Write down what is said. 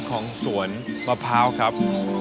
ของสวนมะพร้าวครับ